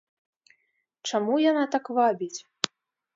Чаму яна так вабіць?